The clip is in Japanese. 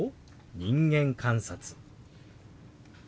「人間観察」。